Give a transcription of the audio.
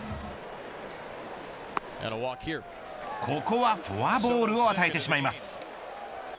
ここはフォアボールを与えてしまいます。